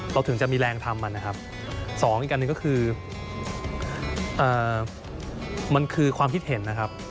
ถึงจะมีแรงทำมันนะครับสองอีกอันหนึ่งก็คือมันคือความคิดเห็นนะครับ